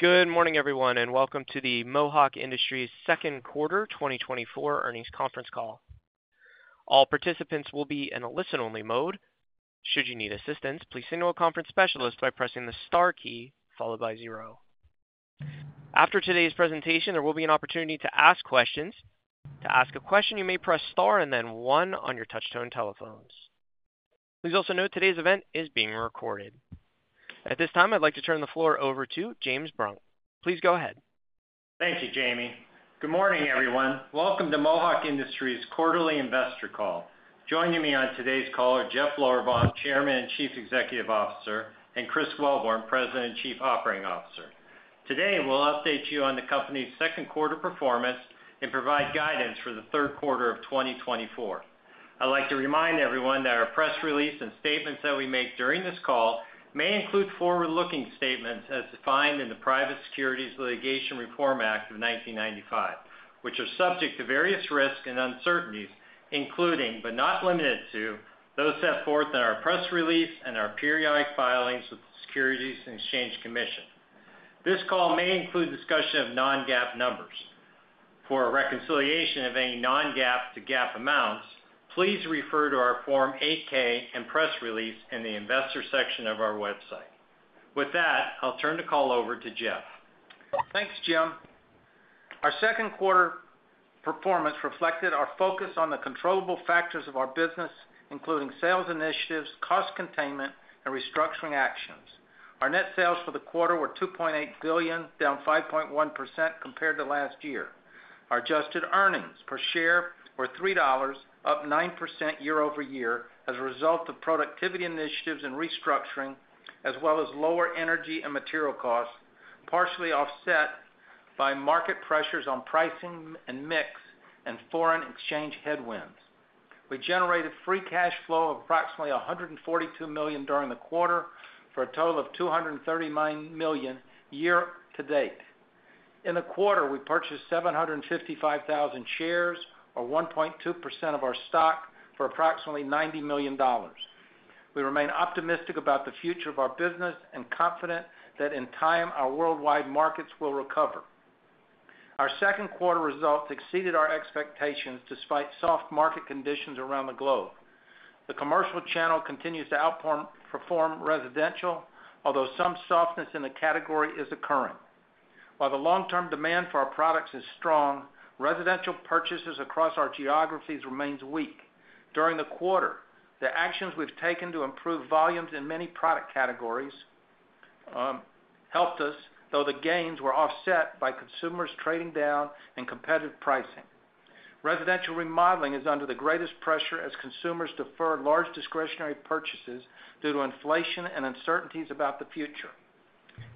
Good morning, everyone, and welcome to the Mohawk Industries second quarter 2024 earnings conference call. All participants will be in a listen-only mode. Should you need assistance, please signal a conference specialist by pressing the star key followed by zero. After today's presentation, there will be an opportunity to ask questions. To ask a question, you may press star and then one on your touch-tone telephones. Please also note today's event is being recorded. At this time, I'd like to turn the floor over to James Brunk. Please go ahead. Thank you, Jamie. Good morning, everyone. Welcome to Mohawk Industries quarterly investor call. Joining me on today's call are Jeff Lorberbaum, Chairman and Chief Executive Officer, and Chris Wellborn, President and Chief Operating Officer. Today, we'll update you on the company's second quarter performance and provide guidance for the third quarter of 2024. I'd like to remind everyone that our press release and statements that we make during this call may include forward-looking statements as defined in the Private Securities Litigation Reform Act of 1995, which are subject to various risks and uncertainties, including, but not limited to, those set forth in our press release and our periodic filings with the Securities and Exchange Commission. This call may include discussion of non-GAAP numbers. For reconciliation of any non-GAAP to GAAP amounts, please refer to our Form 8-K and press release in the investor section of our website. With that, I'll turn the call over to Jeff. Thanks, Jim. Our second quarter performance reflected our focus on the controllable factors of our business, including sales initiatives, cost containment, and restructuring actions. Our net sales for the quarter were $2.8 billion, down 5.1% compared to last year. Our adjusted earnings per share were $3, up 9% year-over-year as a result of productivity initiatives and restructuring, as well as lower energy and material costs, partially offset by market pressures on pricing and mix and foreign exchange headwinds. We generated free cash flow of approximately $142 million during the quarter for a total of $239 million year to date. In the quarter, we purchased 755,000 shares, or 1.2% of our stock, for approximately $90 million. We remain optimistic about the future of our business and confident that, in time, our worldwide markets will recover. Our second quarter results exceeded our expectations despite soft market conditions around the globe. The commercial channel continues to outperform residential, although some softness in the category is occurring. While the long-term demand for our products is strong, residential purchases across our geographies remain weak. During the quarter, the actions we've taken to improve volumes in many product categories helped us, though the gains were offset by consumers trading down and competitive pricing. Residential remodeling is under the greatest pressure as consumers defer large discretionary purchases due to inflation and uncertainties about the future.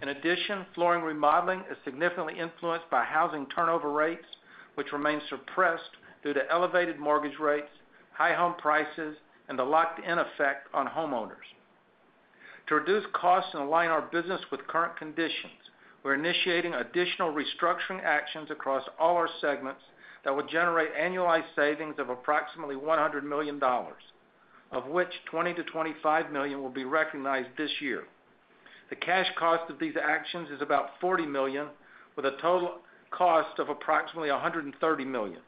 In addition, flooring remodeling is significantly influenced by housing turnover rates, which remain suppressed due to elevated mortgage rates, high home prices, and the locked-in effect on homeowners. To reduce costs and align our business with current conditions, we're initiating additional restructuring actions across all our segments that will generate annualized savings of approximately $100 million, of which $20 million-$25 million will be recognized this year. The cash cost of these actions is about $40 million, with a total cost of approximately $130 million.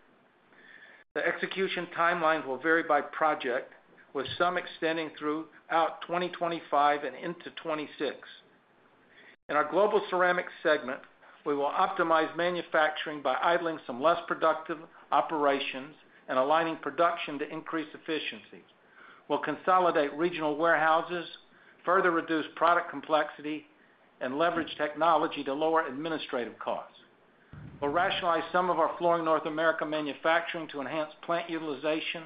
The execution timelines will vary by project, with some extending throughout 2025 and into 2026. In our Global Ceramic segment, we will optimize manufacturing by idling some less productive operations and aligning production to increase efficiency. We'll consolidate regional warehouses, further reduce product complexity, and leverage technology to lower administrative costs. We'll rationalize some of our Flooring North America manufacturing to enhance plant utilization,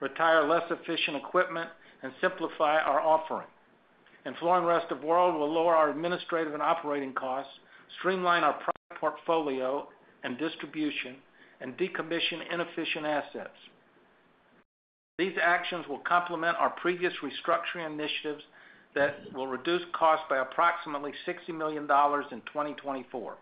retire less efficient equipment, and simplify our offering. In Flooring Rest of the World, we'll lower our administrative and operating costs, streamline our product portfolio and distribution, and decommission inefficient assets. These actions will complement our previous restructuring initiatives that will reduce costs by approximately $60 million in 2024.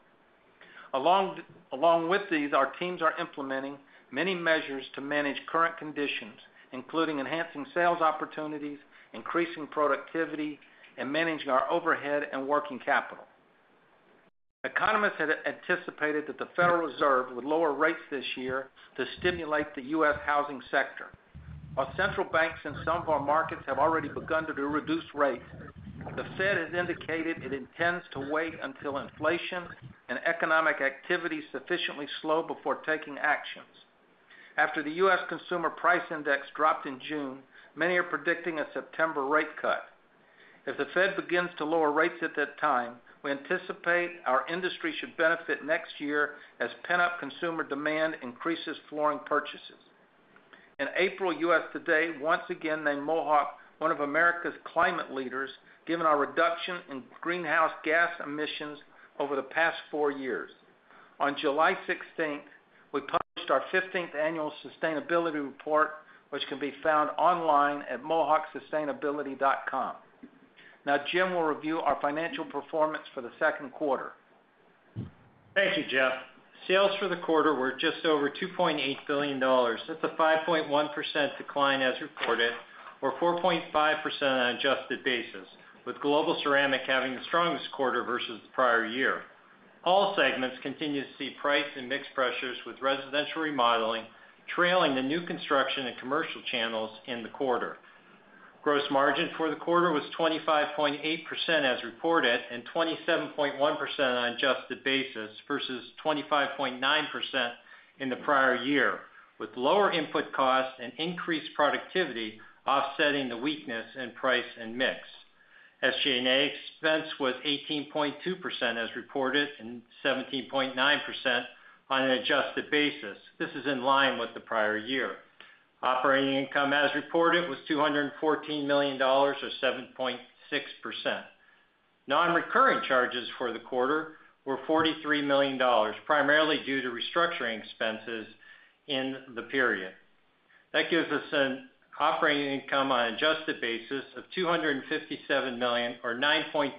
Along with these, our teams are implementing many measures to manage current conditions, including enhancing sales opportunities, increasing productivity, and managing our overhead and working capital. Economists had anticipated that the Federal Reserve would lower rates this year to stimulate the U.S. housing sector. While central banks and some of our markets have already begun to reduce rates, the Fed has indicated it intends to wait until inflation and economic activity sufficiently slow before taking actions. After the U.S. Consumer Price Index dropped in June, many are predicting a September rate cut. If the Fed begins to lower rates at that time, we anticipate our industry should benefit next year as pent-up consumer demand increases flooring purchases. In April, USA TODAY once again named Mohawk one of America's climate leaders, given our reduction in greenhouse gas emissions over the past four years. On July 16th, we published our 15th annual sustainability report, which can be found online at mohawksustainability.com. Now, Jim will review our financial performance for the second quarter. Thank you, Jeff. Sales for the quarter were just over $2.8 billion. That's a 5.1% decline as reported, or 4.5% on an adjusted basis, with Global Ceramic having the strongest quarter versus the prior year. All segments continue to see price and mix pressures with residential remodeling trailing the new construction and commercial channels in the quarter. Gross margin for the quarter was 25.8% as reported and 27.1% on an adjusted basis versus 25.9% in the prior year, with lower input costs and increased productivity offsetting the weakness in price and mix. SG&A expense was 18.2% as reported and 17.9% on an adjusted basis. This is in line with the prior year. Operating income as reported was $214 million, or 7.6%. Non-recurring charges for the quarter were $43 million, primarily due to restructuring expenses in the period. That gives us an operating income on an adjusted basis of $257 million, or 9.2%.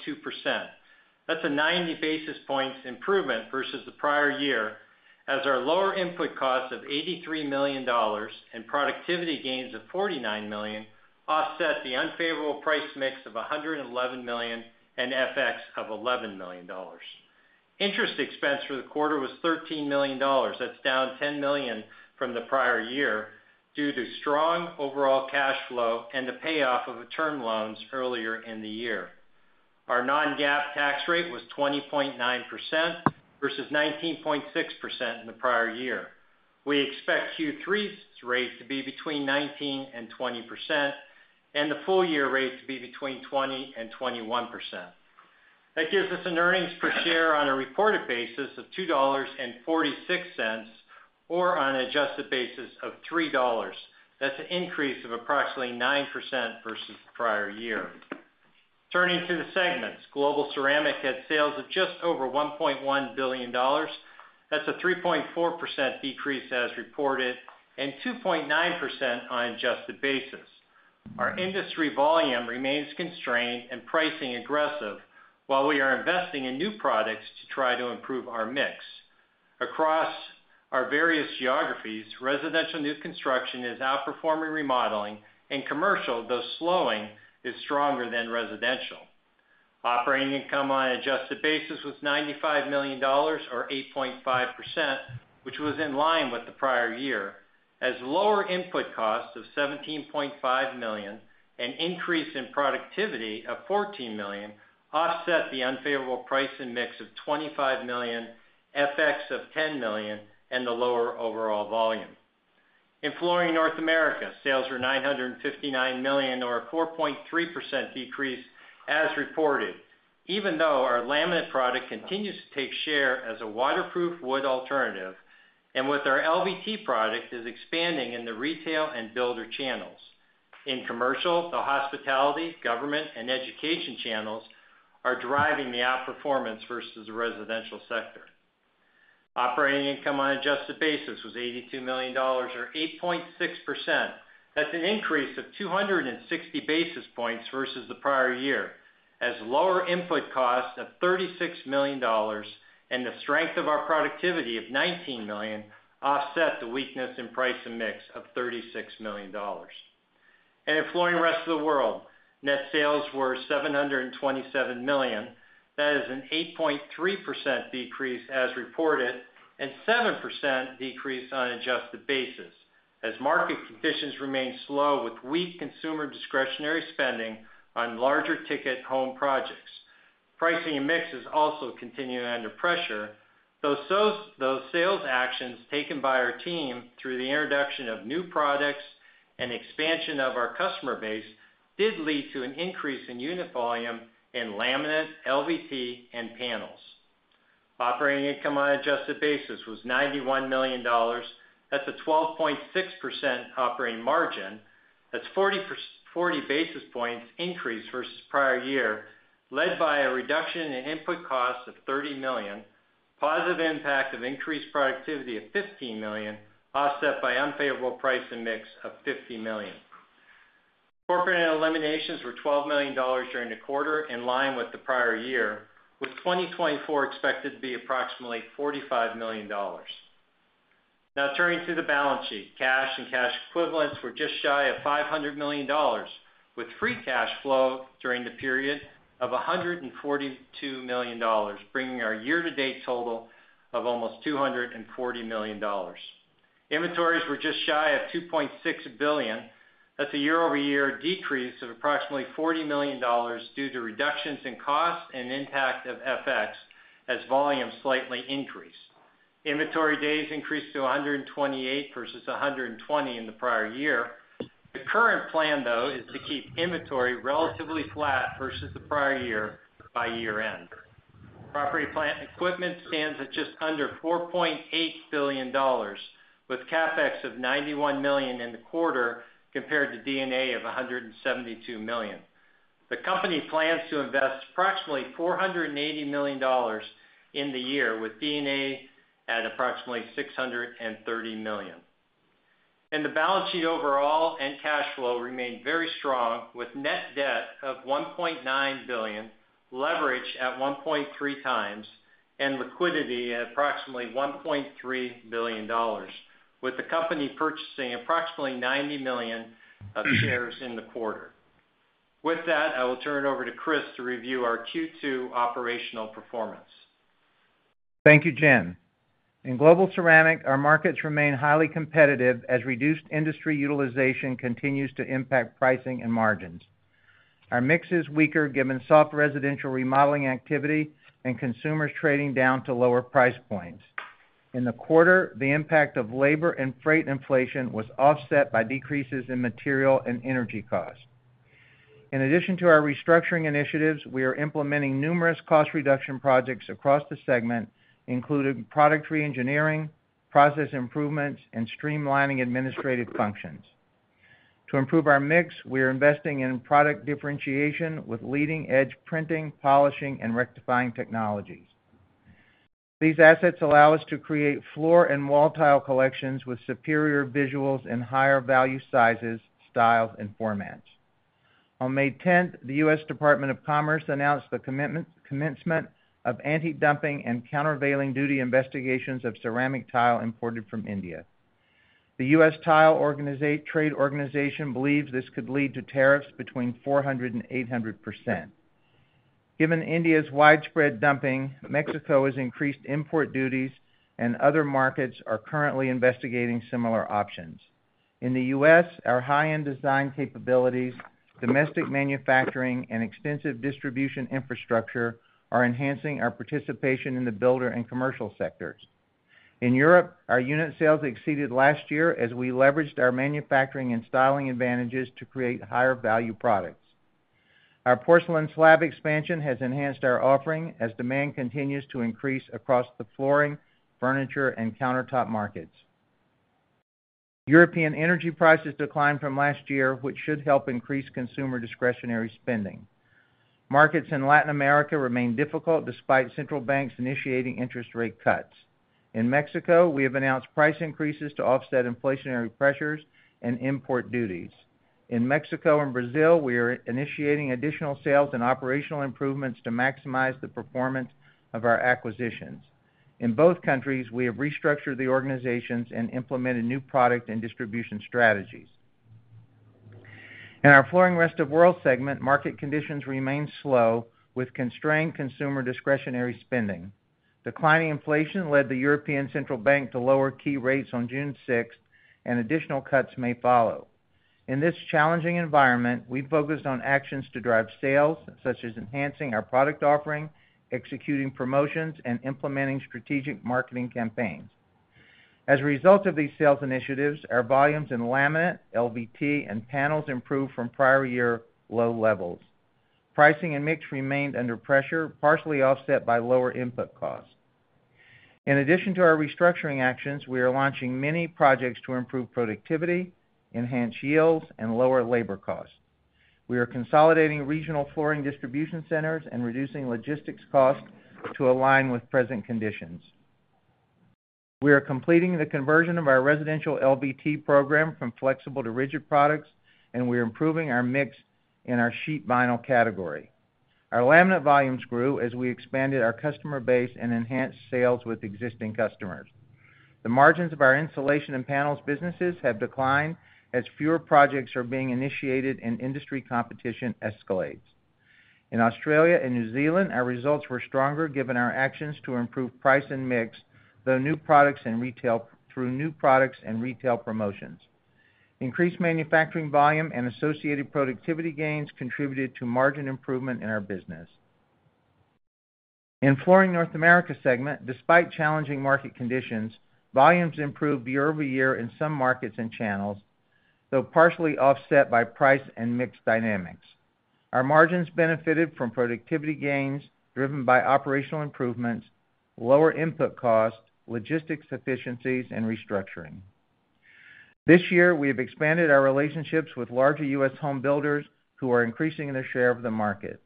That's a 90 basis points improvement versus the prior year, as our lower input costs of $83 million and productivity gains of $49 million offset the unfavorable price mix of $111 million and FX of $11 million. Interest expense for the quarter was $13 million. That's down $10 million from the prior year due to strong overall cash flow and the payoff of term loans earlier in the year. Our non-GAAP tax rate was 20.9% versus 19.6% in the prior year. We expect Q3's rate to be between 19% and 20% and the full year rate to be between 20% and 21%. That gives us an earnings per share on a reported basis of $2.46, or on an adjusted basis of $3. That's an increase of approximately 9% versus the prior year. Turning to the segments, Global Ceramic had sales of just over $1.1 billion. That's a 3.4% decrease as reported and 2.9% on an adjusted basis. Our industry volume remains constrained and pricing aggressive, while we are investing in new products to try to improve our mix. Across our various geographies, residential new construction is outperforming remodeling, and commercial, though slowing, is stronger than residential. Operating income on an adjusted basis was $95 million, or 8.5%, which was in line with the prior year, as lower input costs of $17.5 million and increase in productivity of $14 million offset the unfavorable price and mix of $25 million, FX of $10 million, and the lower overall volume. In Flooring North America, sales were $959 million, or a 4.3% decrease as reported, even though our laminate product continues to take share as a waterproof wood alternative and with our LVT product is expanding in the retail and builder channels. In commercial, the hospitality, government, and education channels are driving the outperformance versus the residential sector. Operating income on an adjusted basis was $82 million, or 8.6%. That's an increase of 260 basis points versus the prior year, as lower input costs of $36 million and the strength of our productivity of $19 million offset the weakness in price and mix of $36 million. In Flooring Rest of the World, net sales were $727 million. That is an 8.3% decrease as reported and 7% decrease on an adjusted basis, as market conditions remain slow with weak consumer discretionary spending on larger ticket home projects. Pricing and mix is also continuing under pressure, though those sales actions taken by our team through the introduction of new products and expansion of our customer base did lead to an increase in unit volume In laminate, LVT, and panels. Operating income on an adjusted basis was $91 million. That's a 12.6% operating margin. That's 40 basis points increase versus prior year, led by a reduction in input costs of $30 million, positive impact of increased productivity of $15 million, offset by unfavorable price and mix of $50 million. Corporate eliminations were $12 million during the quarter, in line with the prior year, with 2024 expected to be approximately $45 million. Now, turning to the balance sheet, cash and cash equivalents were just shy of $500 million, with free cash flow during the period of $142 million, bringing our year-to-date total of almost $240 million. Inventories were just shy of $2.6 billion. That's a year-over-year decrease of approximately $40 million due to reductions in cost and impact of FX as volume slightly increased. Inventory days increased to 128 versus 120 in the prior year. The current plan, though, is to keep inventory relatively flat versus the prior year by year-end. Property plant equipment stands at just under $4.8 billion, with CapEx of $91 million in the quarter compared to D&A of $172 million. The company plans to invest approximately $480 million in the year, with D&A at approximately $630 million. In the balance sheet overall, net cash flow remained very strong, with net debt of $1.9 billion, leverage at 1.3 times, and liquidity at approximately $1.3 billion, with the company purchasing approximately $90 million of shares in the quarter. With that, I will turn it over to Chris to review our Q2 operational performance. Thank you, Jim. In Global Ceramic, our markets remain highly competitive as reduced industry utilization continues to impact pricing and margins. Our mix is weaker given soft residential remodeling activity and consumers trading down to lower price points. In the quarter, the impact of labor and freight inflation was offset by decreases in material and energy costs. In addition to our restructuring initiatives, we are implementing numerous cost reduction projects across the segment, including product reengineering, process improvements, and streamlining administrative functions. To improve our mix, we are investing in product differentiation with leading-edge printing, polishing, and rectifying technologies. These assets allow us to create floor and wall tile collections with superior visuals and higher value sizes, styles, and formats. On May 10th, the U.S. Department of Commerce announced the commencement of anti-dumping and countervailing duty investigations of ceramic tile imported from India. The U.S. Trade organization believes this could lead to tariffs between 400%-800%. Given India's widespread dumping, Mexico has increased import duties, and other markets are currently investigating similar options. In the U.S., our high-end design capabilities, domestic manufacturing, and extensive distribution infrastructure are enhancing our participation in the builder and commercial sectors. In Europe, our unit sales exceeded last year as we leveraged our manufacturing and styling advantages to create higher value products. Our porcelain slab expansion has enhanced our offering as demand continues to increase across the flooring, furniture, and countertop markets. European energy prices declined from last year, which should help increase consumer discretionary spending. Markets in Latin America remain difficult despite central banks initiating interest rate cuts. In Mexico, we have announced price increases to offset inflationary pressures and import duties. In Mexico and Brazil, we are initiating additional sales and operational improvements to maximize the performance of our acquisitions. In both countries, we have restructured the organizations and implemented new product and distribution strategies. In our Flooring Rest of the World segment, market conditions remain slow with constrained consumer discretionary spending. Declining inflation led the European Central Bank to lower key rates on June 6th, and additional cuts may follow. In this challenging environment, we focused on actions to drive sales, such as enhancing our product offering, executing promotions, and implementing strategic marketing campaigns. As a result of these sales initiatives, our volumes In laminate, LVT, and panels improved from prior year low levels. Pricing and mix remained under pressure, partially offset by lower input costs. In addition to our restructuring actions, we are launching many projects to improve productivity, enhance yields, and lower labor costs. We are consolidating regional flooring distribution centers and reducing logistics costs to align with present conditions. We are completing the conversion of our residential LVT program from flexible to rigid products, and we are improving our mix in our sheet vinyl category. Our laminate volumes grew as we expanded our customer base and enhanced sales with existing customers. The margins of our insulation and panels businesses have declined as fewer projects are being initiated and industry competition escalates. In Australia and New Zealand, our results were stronger given our actions to improve price and mix, through new products and retail promotions. Increased manufacturing volume and associated productivity gains contributed to margin improvement in our business. In Flooring North America segment, despite challenging market conditions, volumes improved year-over-year in some markets and channels, though partially offset by price and mix dynamics. Our margins benefited from productivity gains driven by operational improvements, lower input costs, logistics efficiencies, and restructuring. This year, we have expanded our relationships with larger U.S. home builders who are increasing their share of the market.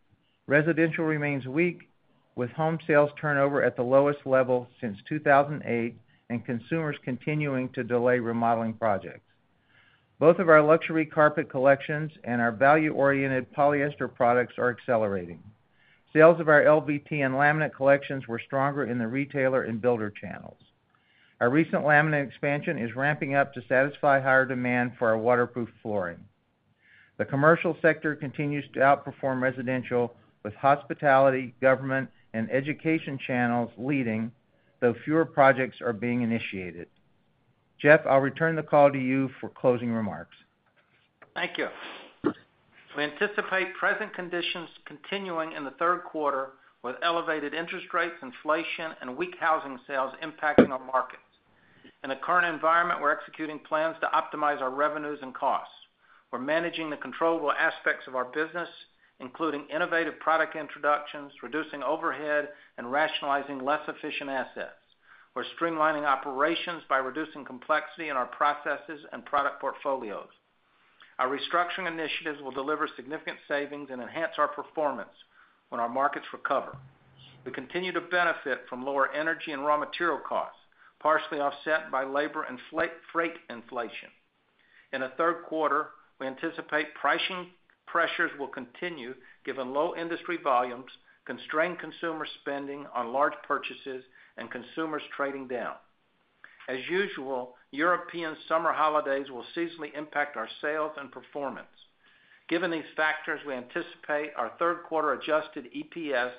Residential remains weak, with home sales turnover at the lowest level since 2008 and consumers continuing to delay remodeling projects. Both of our luxury carpet collections and our value-oriented polyester products are accelerating. Sales of our LVT and laminate collections were stronger in the retailer and builder channels. Our recent laminate expansion is ramping up to satisfy higher demand for our waterproof flooring. The commercial sector continues to outperform residential, with hospitality, government, and education channels leading, though fewer projects are being initiated. Jeff, I'll return the call to you for closing remarks. Thank you. We anticipate present conditions continuing in the third quarter, with elevated interest rates, inflation, and weak housing sales impacting our markets. In the current environment, we're executing plans to optimize our revenues and costs. We're managing the controllable aspects of our business, including innovative product introductions, reducing overhead, and rationalizing less efficient assets. We're streamlining operations by reducing complexity in our processes and product portfolios. Our restructuring initiatives will deliver significant savings and enhance our performance when our markets recover. We continue to benefit from lower energy and raw material costs, partially offset by labor and freight inflation. In the third quarter, we anticipate pricing pressures will continue given low industry volumes, constrained consumer spending on large purchases, and consumers trading down. As usual, European summer holidays will seasonally impact our sales and performance. Given these factors, we anticipate our third quarter adjusted EPS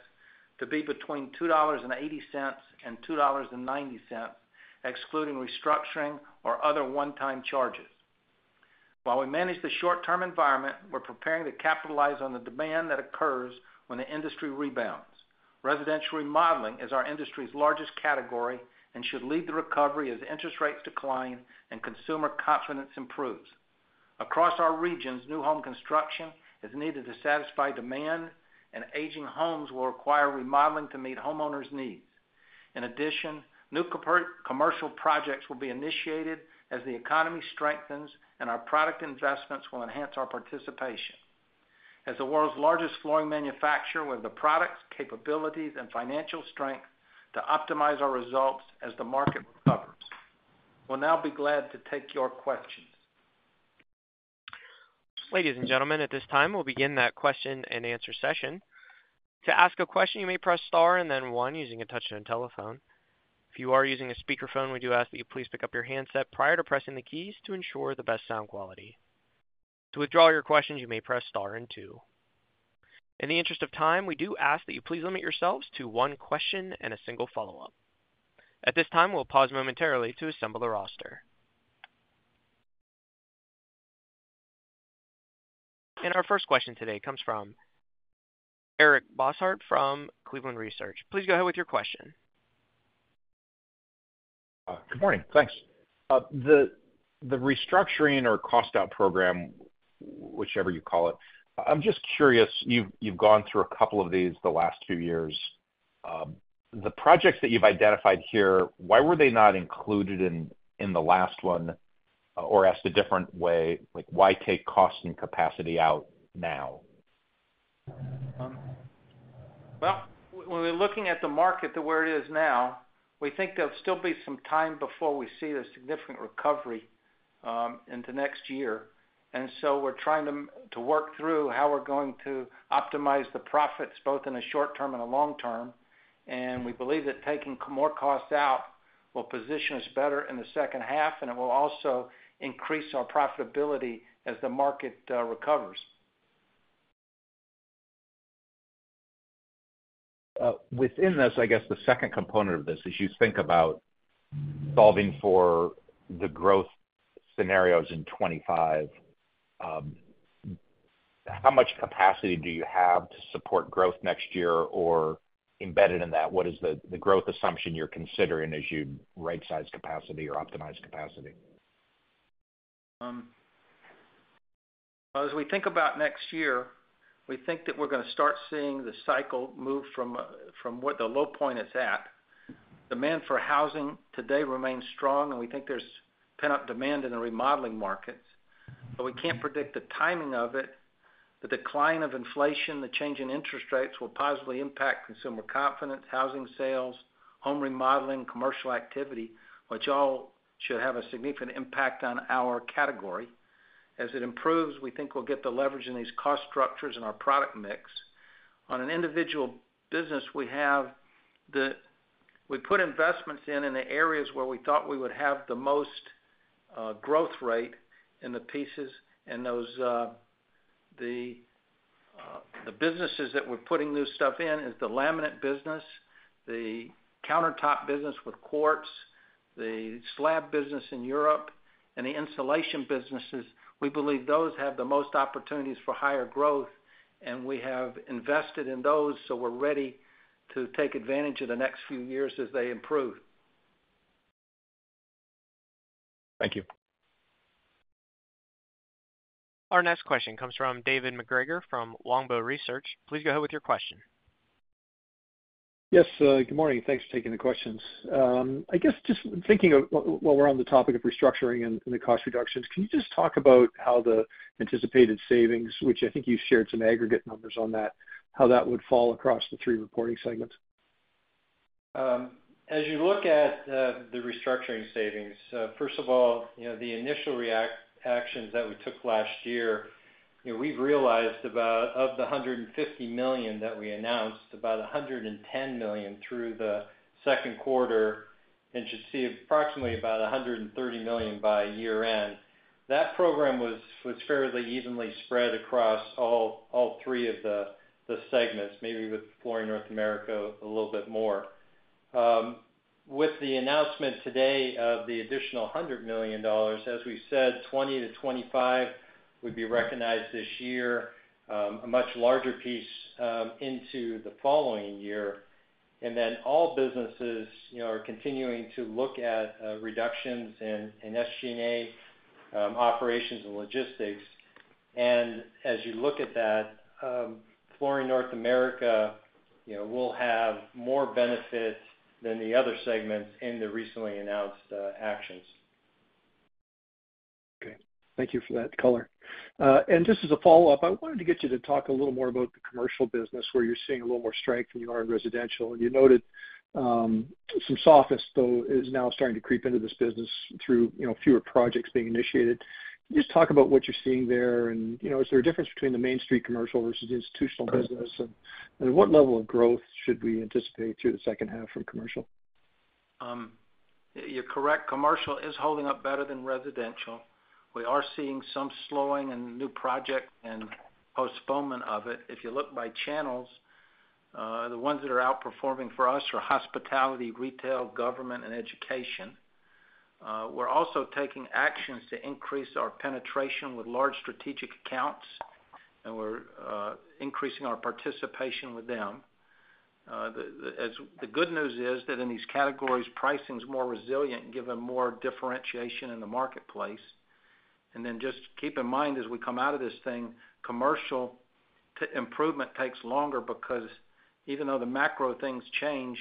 to be between $2.80-$2.90, excluding restructuring or other one-time charges. While we manage the short-term environment, we're preparing to capitalize on the demand that occurs when the industry rebounds. Residential remodeling is our industry's largest category and should lead the recovery as interest rates decline and consumer confidence improves. Across our regions, new home construction is needed to satisfy demand, and aging homes will require remodeling to meet homeowners' needs. In addition, new commercial projects will be initiated as the economy strengthens, and our product investments will enhance our participation. As the world's largest flooring manufacturer, we have the products, capabilities, and financial strength to optimize our results as the market recovers. We'll now be glad to take your questions. Ladies and gentlemen, at this time, we'll begin that question-and-answer session. To ask a question, you may press star and then one using a touch-tone telephone. If you are using a speakerphone, we do ask that you please pick up your handset prior to pressing the keys to ensure the best sound quality. To withdraw your questions, you may press star and two. In the interest of time, we do ask that you please limit yourselves to one question and a single follow-up. At this time, we'll pause momentarily to assemble the roster. Our first question today comes from Eric Bosshard from Cleveland Research. Please go ahead with your question. Good morning. Thanks. The restructuring or cost-out program, whichever you call it, I'm just curious. You've gone through a couple of these the last two years. The projects that you've identified here, why were they not included in the last one or asked a different way? Why take cost and capacity out now? Well, when we're looking at the market to where it is now, we think there'll still be some time before we see a significant recovery in the next year. And so we're trying to work through how we're going to optimize the profits, both in the short term and the long term. And we believe that taking more costs out will position us better in the second half, and it will also increase our profitability as the market recovers. Within this, I guess the second component of this is you think about solving for the growth scenarios in 2025. How much capacity do you have to support growth next year? Or embedded in that, what is the growth assumption you're considering as you right-size capacity or optimize capacity? Well, as we think about next year, we think that we're going to start seeing the cycle move from what the low point it's at. Demand for housing today remains strong, and we think there's pent-up demand in the remodeling markets. But we can't predict the timing of it. The decline of inflation, the change in interest rates will positively impact consumer confidence, housing sales, home remodeling, commercial activity, which all should have a significant impact on our category. As it improves, we think we'll get the leverage in these cost structures in our product mix. On an individual business, we have. We put investments in the areas where we thought we would have the most growth rate in the pieces. And the businesses that we're putting new stuff in are the laminate business, the countertop business with quartz, the slab business in Europe, and the insulation businesses. We believe those have the most opportunities for higher growth, and we have invested in those, so we're ready to take advantage of the next few years as they improve. Thank you. Our next question comes from David MacGregor from Longbow Research. Please go ahead with your question. Yes. Good morning. Thanks for taking the questions. I guess just thinking while we're on the topic of restructuring and the cost reductions, can you just talk about how the anticipated savings, which I think you shared some aggregate numbers on that, how that would fall across the three reporting segments? As you look at the restructuring savings, first of all, the initial reactions that we took last year, we've realized about of the $150 million that we announced, about $110 million through the second quarter, and should see approximately about $130 million by year-end. That program was fairly evenly spread across all three of the segments, maybe with Flooring North America a little bit more. With the announcement today of the additional $100 million, as we said, $20 million-$25 million would be recognized this year, a much larger piece into the following year. And then all businesses are continuing to look at reductions in SG&A operations and logistics. And as you look at that, Flooring North America will have more benefit than the other segments in the recently announced actions. Okay. Thank you for that color. And just as a follow-up, I wanted to get you to talk a little more about the commercial business, where you're seeing a little more strength than you are in residential. And you noted some softness, though, is now starting to creep into this business through fewer projects being initiated. Just talk about what you're seeing there, and is there a difference between the Main Street commercial versus the institutional business? And what level of growth should we anticipate through the second half from commercial? You're correct. Commercial is holding up better than residential. We are seeing some slowing and new projects and postponement of it. If you look by channels, the ones that are outperforming for us are hospitality, retail, government, and education. We're also taking actions to increase our penetration with large strategic accounts, and we're increasing our participation with them. The good news is that in these categories, pricing is more resilient given more differentiation in the marketplace. And then just keep in mind, as we come out of this thing, commercial improvement takes longer because even though the macro things change,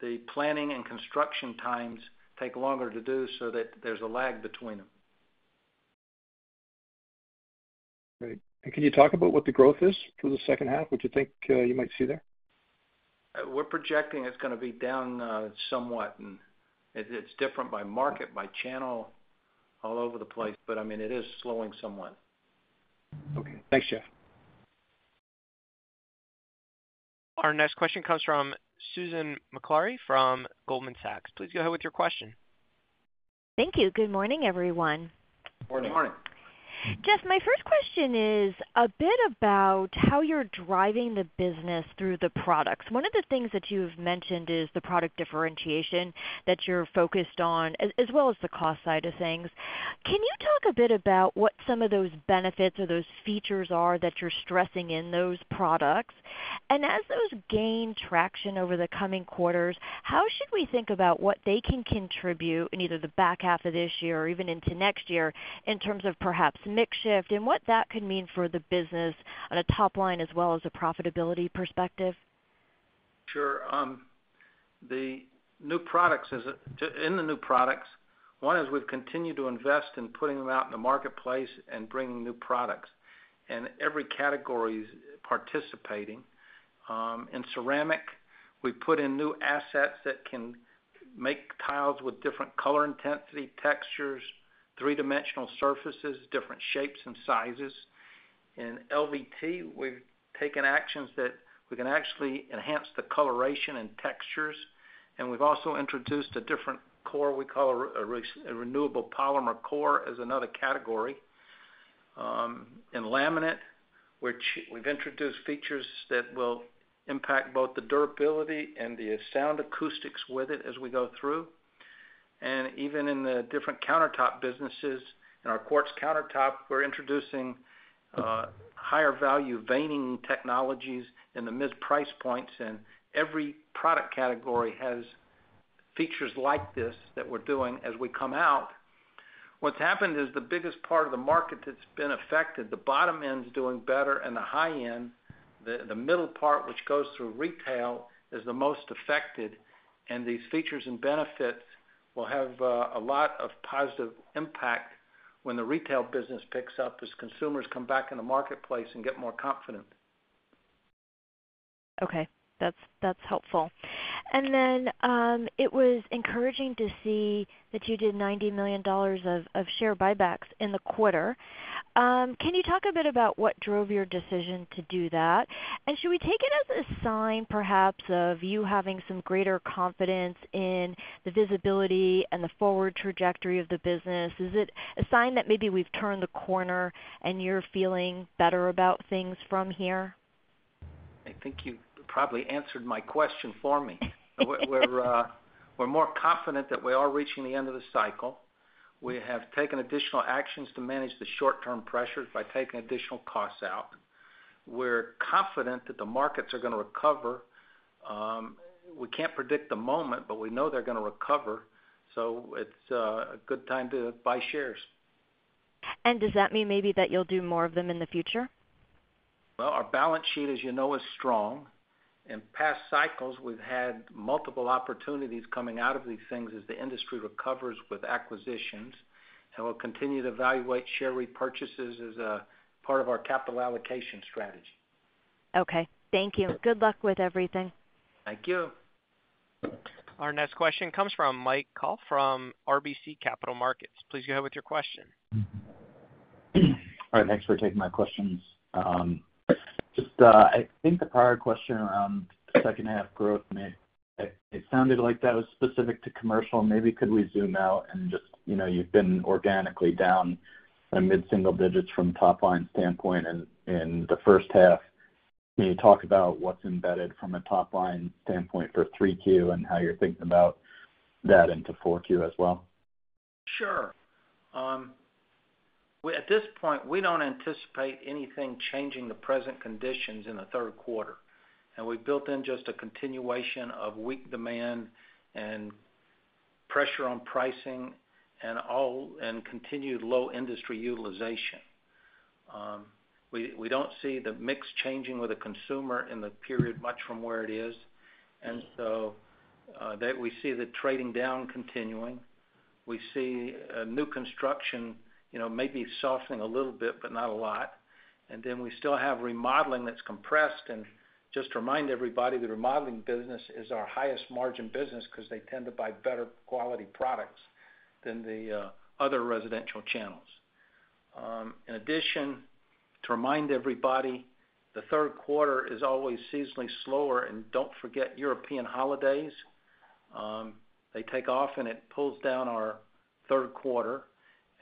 the planning and construction times take longer to do, so that there's a lag between them. Great. Can you talk about what the growth is for the second half? What you think you might see there? We're projecting it's going to be down somewhat. It's different by market, by channel, all over the place. I mean, it is slowing somewhat. Okay. Thanks, Jeff. Our next question comes from Susan Maklari from Goldman Sachs. Please go ahead with your question. Thank you. Good morning, everyone. Good morning. Good morning. Jeff, my first question is a bit about how you're driving the business through the products. One of the things that you've mentioned is the product differentiation that you're focused on, as well as the cost side of things. Can you talk a bit about what some of those benefits or those features are that you're stressing in those products? And as those gain traction over the coming quarters, how should we think about what they can contribute in either the back half of this year or even into next year in terms of perhaps mix shift and what that could mean for the business on a top line as well as a profitability perspective? Sure. In the new products, one is, we've continued to invest in putting them out in the marketplace and bringing new products. Every category is participating. In Ceramic, we put in new assets that can make tiles with different color intensity, textures, three-dimensional surfaces, different shapes and sizes. In LVT, we've taken actions that we can actually enhance the coloration and textures. We've also introduced a different core we call a renewable polymer core as another category. In laminate, we've introduced features that will impact both the durability and the sound acoustics with it as we go through. Even in the different countertop businesses, in our quartz countertop, we're introducing higher-value veining technologies in the mid-price points. Every product category has features like this that we're doing as we come out. What's happened is the biggest part of the market that's been affected, the bottom end's doing better, and the high end, the middle part, which goes through retail, is the most affected. These features and benefits will have a lot of positive impact when the retail business picks up as consumers come back in the marketplace and get more confident. Okay. That's helpful. Then it was encouraging to see that you did $90 million of share buybacks in the quarter. Can you talk a bit about what drove your decision to do that? Should we take it as a sign perhaps of you having some greater confidence in the visibility and the forward trajectory of the business? Is it a sign that maybe we've turned the corner and you're feeling better about things from here? I think you probably answered my question for me. We're more confident that we are reaching the end of the cycle. We have taken additional actions to manage the short-term pressures by taking additional costs out. We're confident that the markets are going to recover. We can't predict the moment, but we know they're going to recover. So it's a good time to buy shares. Does that mean maybe that you'll do more of them in the future? Well, our balance sheet, as you know, is strong. In past cycles, we've had multiple opportunities coming out of these things as the industry recovers with acquisitions. We'll continue to evaluate share repurchases as a part of our capital allocation strategy. Okay. Thank you. Good luck with everything. Thank you. Our next question comes from Mike Dahl from RBC Capital Markets. Please go ahead with your question. All right. Thanks for taking my questions. I think the prior question around the second half growth, it sounded like that was specific to commercial. Maybe could we zoom out and just you've been organically down in mid-single digits from a top line standpoint in the first half. Can you talk about what's embedded from a top line standpoint for 3Q and how you're thinking about that into 4Q as well? Sure. At this point, we don't anticipate anything changing the present conditions in the third quarter. We've built in just a continuation of weak demand and pressure on pricing and continued low industry utilization. We don't see the mix changing with a consumer in the period much from where it is. So we see the trading down continuing. We see new construction maybe softening a little bit, but not a lot. Then we still have remodeling that's compressed. Just to remind everybody, the remodeling business is our highest margin business because they tend to buy better quality products than the other residential channels. In addition, to remind everybody, the third quarter is always seasonally slower. Don't forget European holidays. They take off, and it pulls down our third quarter.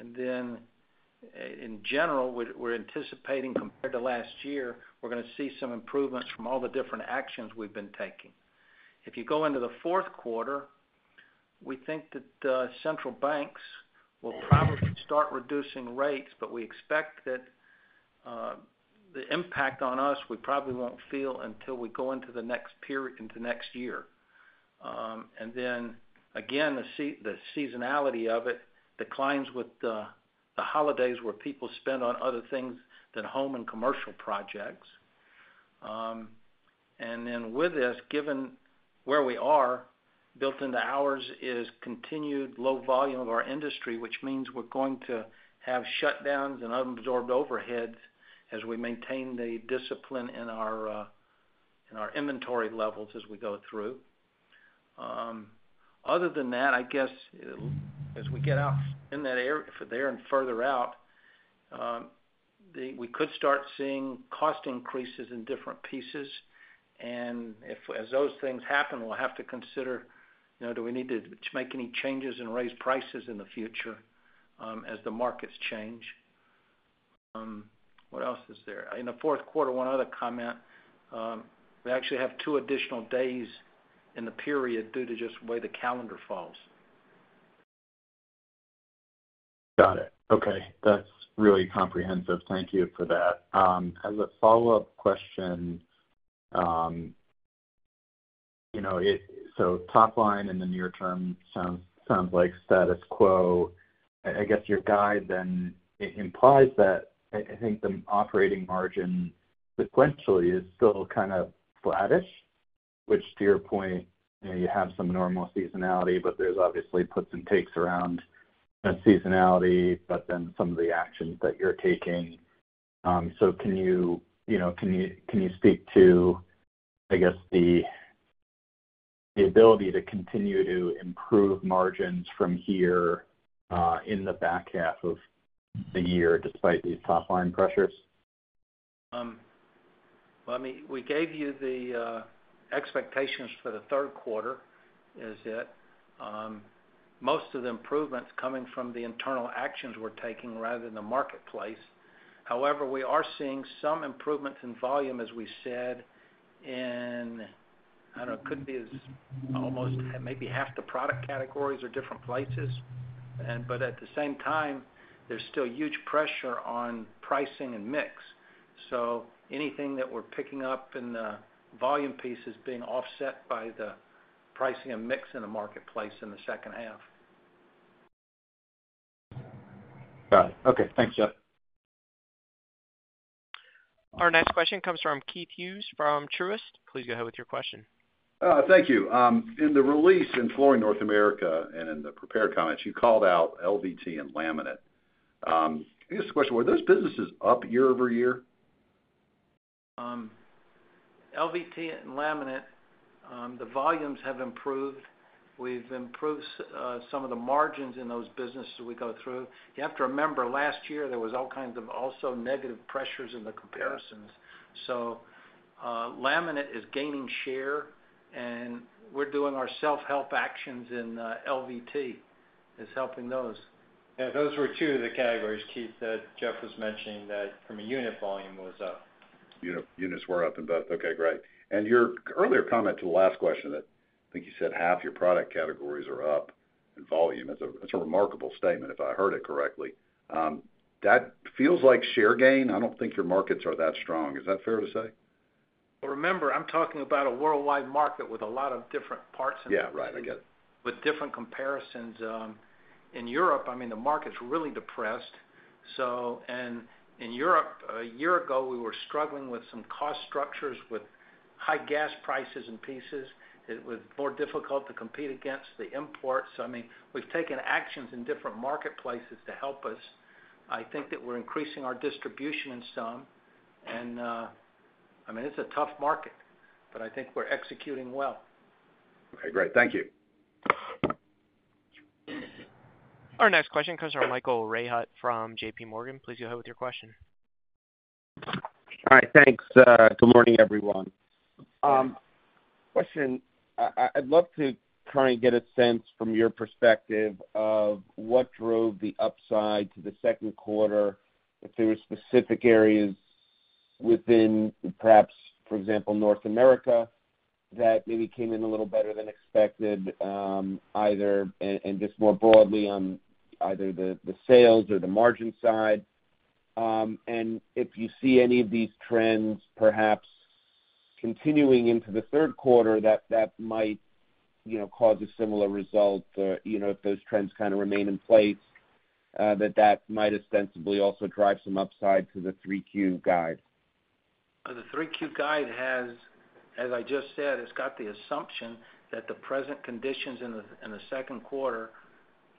In general, we're anticipating compared to last year, we're going to see some improvements from all the different actions we've been taking. If you go into the fourth quarter, we think that central banks will probably start reducing rates, but we expect that the impact on us, we probably won't feel until we go into the next year. Again, the seasonality of it declines with the holidays where people spend on other things than home and commercial projects. With this, given where we are, built into ours is continued low volume of our industry, which means we're going to have shutdowns and unabsorbed overheads as we maintain the discipline in our inventory levels as we go through. Other than that, I guess as we get out in that area further out, we could start seeing cost increases in different pieces. As those things happen, we'll have to consider, do we need to make any changes and raise prices in the future as the markets change? What else is there? In the fourth quarter, one other comment, we actually have two additional days in the period due to just the way the calendar falls. Got it. Okay. That's really comprehensive. Thank you for that. As a follow-up question, so top line in the near term sounds like status quo. I guess your guide then implies that I think the operating margin sequentially is still kind of flattish, which to your point, you have some normal seasonality, but there's obviously puts and takes around seasonality, but then some of the actions that you're taking. So can you speak to, I guess, the ability to continue to improve margins from here in the back half of the year despite these top line pressures? Well, I mean, we gave you the expectations for the third quarter, is that most of the improvements coming from the internal actions we're taking rather than the marketplace. However, we are seeing some improvements in volume, as we said, and I don't know, it could be almost maybe half the product categories are different places. But at the same time, there's still huge pressure on pricing and mix. So anything that we're picking up in the volume piece is being offset by the pricing and mix in the marketplace in the second half. Got it. Okay. Thanks, Jeff. Our next question comes from Keith Hughes from Truist. Please go ahead with your question. Thank you. In the release in Flooring North America and in the prepared comments, you called out LVT and Laminate. Here's the question. Were those businesses up year over year? LVT and laminate, the volumes have improved. We've improved some of the margins in those businesses we go through. You have to remember, last year, there were all kinds of also negative pressures in the comparisons. So laminate is gaining share, and we're doing our self-help actions in LVT is helping those. Yeah, those were two of the categories, Keith, that Jeff was mentioning that from a unit volume was up. Units were up in both. Okay. Great. And your earlier comment to the last question, I think you said half your product categories are up in volume. It's a remarkable statement if I heard it correctly. That feels like share gain. I don't think your markets are that strong. Is that fair to say? Well, remember, I'm talking about a worldwide market with a lot of different parts in it. Yeah. Right. I get it. With different comparisons. In Europe, I mean, the market's really depressed. And in Europe, a year ago, we were struggling with some cost structures with high gas prices and pieces. It was more difficult to compete against the import. So I mean, we've taken actions in different marketplaces to help us. I think that we're increasing our distribution in some. And I mean, it's a tough market, but I think we're executing well. Okay. Great. Thank you. Our next question comes from Michael Rehaut from J.P. Morgan. Please go ahead with your question. All right. Thanks. Good morning, everyone. Question. I'd love to kind of get a sense from your perspective of what drove the upside to the second quarter, if there were specific areas within perhaps, for example, North America that maybe came in a little better than expected, and just more broadly on either the sales or the margin side. And if you see any of these trends perhaps continuing into the third quarter, that might cause a similar result. If those trends kind of remain in place, that might ostensibly also drive some upside to the 3Q guide. The 3Q guide has, as I just said, it's got the assumption that the present conditions in the second quarter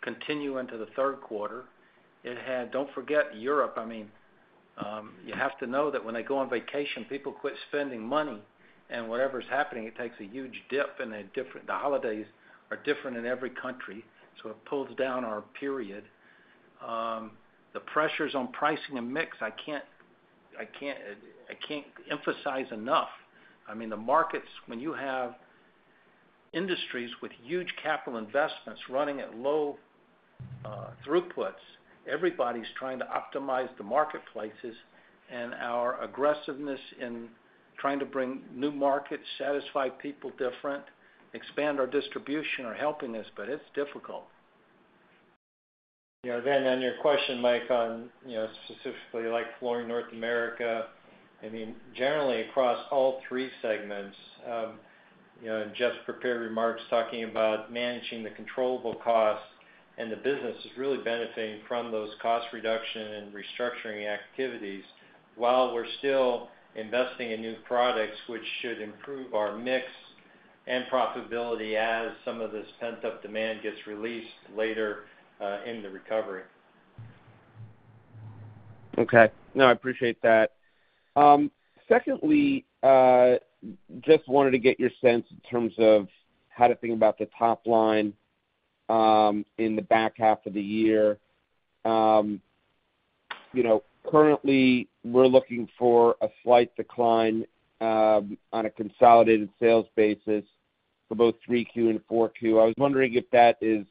continue into the third quarter. Don't forget Europe. I mean, you have to know that when they go on vacation, people quit spending money. And whatever's happening, it takes a huge dip, and the holidays are different in every country. So it pulls down our period. The pressures on pricing and mix, I can't emphasize enough. I mean, the markets, when you have industries with huge capital investments running at low throughputs, everybody's trying to optimize the marketplaces. And our aggressiveness in trying to bring new markets, satisfy people different, expand our distribution are helping us, but it's difficult. Yeah. Then on your question, Mike, on specifically Flooring North America, I mean, generally across all three segments, Jeff's prepared remarks talking about managing the controllable costs and the business is really benefiting from those cost reduction and restructuring activities while we're still investing in new products, which should improve our mix and profitability as some of this pent-up demand gets released later in the recovery. Okay. No, I appreciate that. Secondly, just wanted to get your sense in terms of how to think about the top line in the back half of the year. Currently, we're looking for a slight decline on a consolidated sales basis for both 3Q and 4Q. I was wondering if that is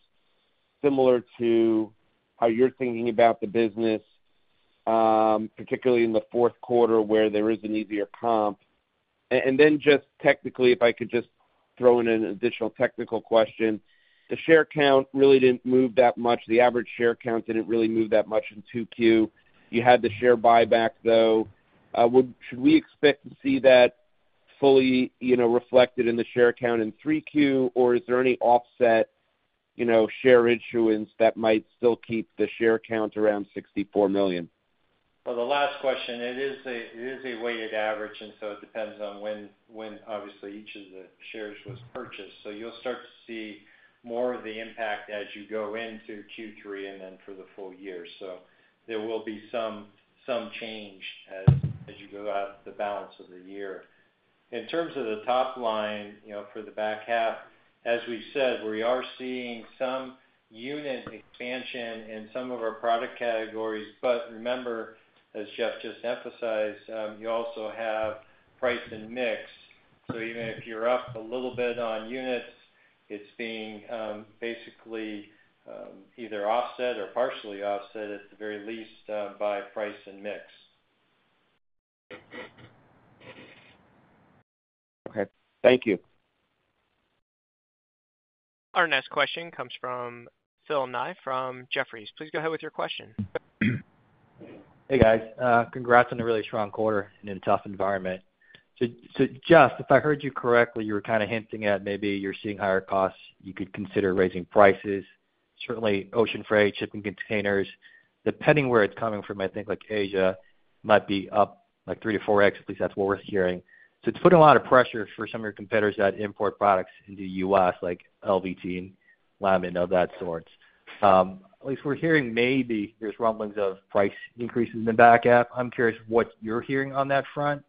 similar to how you're thinking about the business, particularly in the fourth quarter where there is an easier comp. And then just technically, if I could just throw in an additional technical question. The share count really didn't move that much. The average share count didn't really move that much in 2Q. You had the share buyback, though. Should we expect to see that fully reflected in the share count in 3Q, or is there any offset share issuance that might still keep the share count around 64 million? Well, the last question, it is a weighted average, and so it depends on when, obviously, each of the shares was purchased. So you'll start to see more of the impact as you go into Q3 and then for the full year. So there will be some change as you go out the balance of the year. In terms of the top line for the back half, as we said, we are seeing some unit expansion in some of our product categories. But remember, as Jeff just emphasized, you also have price and mix. So even if you're up a little bit on units, it's being basically either offset or partially offset at the very least by price and mix. Okay. Thank you. Our next question comes from Philip Ng from Jefferies. Please go ahead with your question. Hey, guys. Congrats on a really strong quarter and in a tough environment. So Jeff, if I heard you correctly, you were kind of hinting at maybe you're seeing higher costs. You could consider raising prices. Certainly, ocean freight, shipping containers, depending where it's coming from, I think like Asia might be up like 3-4x, at least that's what we're hearing. So it's putting a lot of pressure for some of your competitors that import products into the U.S. like LVT and laminate of that sort. At least we're hearing maybe there's rumblings of price increases in the back half. I'm curious what you're hearing on that front.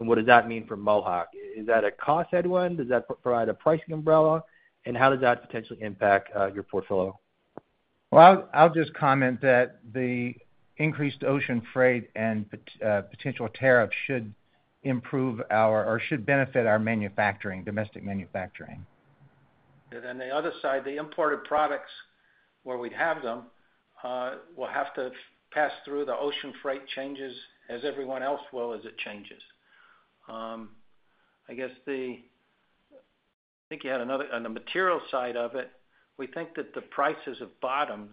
And what does that mean for Mohawk? Is that a cost headwind? Does that provide a pricing umbrella? And how does that potentially impact your portfolio? Well, I'll just comment that the increased ocean freight and potential tariffs should improve our or should benefit our domestic manufacturing. And then the other side, the imported products where we'd have them will have to pass through the ocean freight changes as everyone else will as it changes. I guess I think you had another on the material side of it. We think that the prices have bottomed,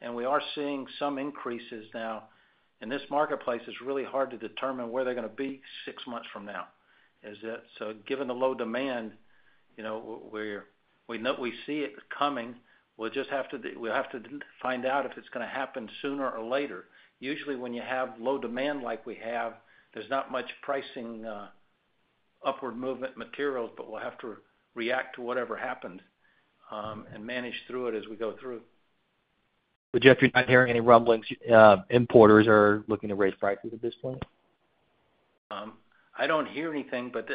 and we are seeing some increases now. And this marketplace is really hard to determine where they're going to be six months from now. So given the low demand, we see it coming. We'll just have to find out if it's going to happen sooner or later. Usually, when you have low demand like we have, there's not much pricing upward movement materials, but we'll have to react to whatever happens and manage through it as we go through. Would you have heard any rumblings? Importers are looking to raise prices at this point? I don't hear anything, but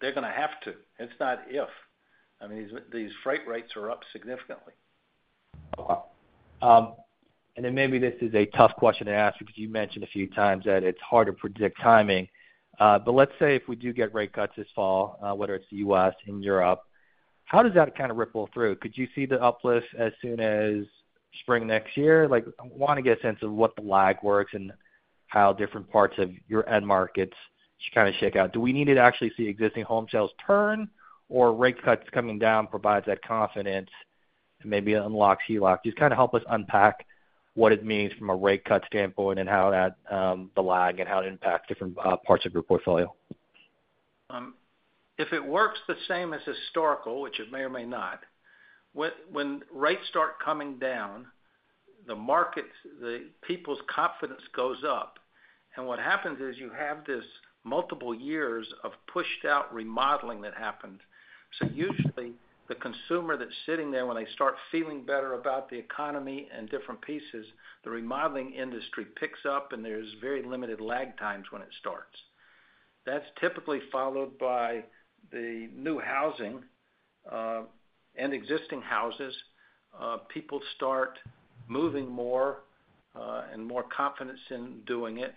they're going to have to. It's not if. I mean, these freight rates are up significantly. Okay. And then maybe this is a tough question to ask because you mentioned a few times that it's hard to predict timing. But let's say if we do get rate cuts this fall, whether it's the U.S. and Europe, how does that kind of ripple through? Could you see the uplift as soon as spring next year? I want to get a sense of what the lag works and how different parts of your end markets kind of shake out. Do we need to actually see existing home sales turn, or rate cuts coming down provide that confidence and maybe unlock, see lock? Just kind of help us unpack what it means from a rate cut standpoint and how that the lag and how it impacts different parts of your portfolio. If it works the same as historical, which it may or may not, when rates start coming down, the market, the people's confidence goes up. And what happens is you have this multiple years of pushed-out remodeling that happens. So usually, the consumer that's sitting there when they start feeling better about the economy and different pieces, the remodeling industry picks up, and there's very limited lag times when it starts. That's typically followed by the new housing and existing houses. People start moving more and more confidence in doing it.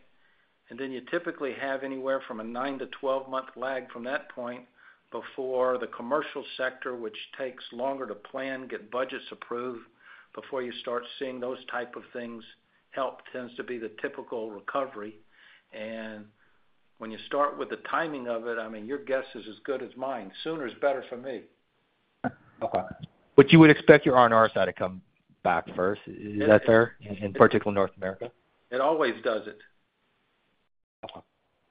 And then you typically have anywhere from a 9-12-month lag from that point before the commercial sector, which takes longer to plan, get budgets approved before you start seeing those type of things help tends to be the typical recovery. When you start with the timing of it, I mean, your guess is as good as mine. Sooner is better for me. Okay. But you would expect your R&R side to come back first. Is that fair? In particular, North America? It always does it. Okay.